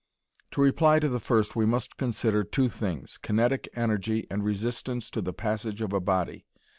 To reply to the first we must consider two things, kinetic energy and resistance to the passage of a body.